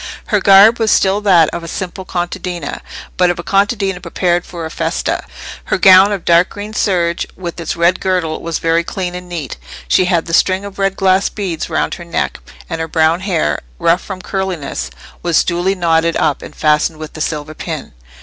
Her garb was still that of a simple contadina, but of a contadina prepared for a festa: her gown of dark green serge, with its red girdle, was very clean and neat; she had the string of red glass beads round her neck; and her brown hair, rough from curliness, was duly knotted up, and fastened with the silver pin.